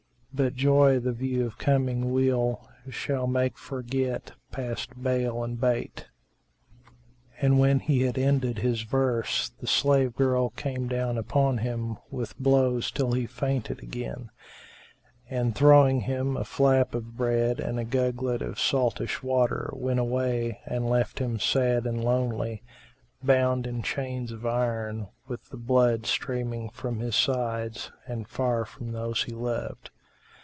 But 'joy the view of coming weal * Shall make forget past bale and bate." And when he had ended his verse, the slave girl came down upon him with blows till he fainted again; and, throwing him a flap of bread and a gugglet of saltish water, went away and left him sad and lonely, bound in chains of iron, with the blood streaming from his sides and far from those he loved.